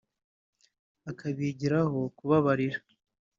akabigiraho kubabarira